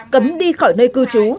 cấm đi khỏi nơi cư trú